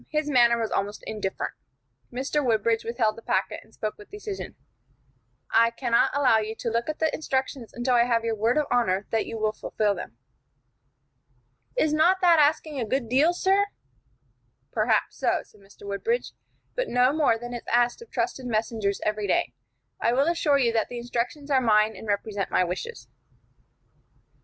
His manner was almost indifferent. Mr. Woodbridge withheld the packet, and spoke with decision: "I cannot allow you to look at the instructions until I have your word of honor that you will fulfil them." "Is not that asking a good deal, sir?" "Perhaps so," said Mr. Woodbridge, "but no more than is asked of trusted messengers every day. I will assure you that the instructions are mine and represent my wishes."